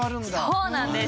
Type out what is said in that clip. そうなんです。